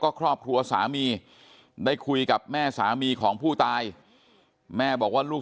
ครอบครัวสามีได้คุยกับแม่สามีของผู้ตายแม่บอกว่าลูก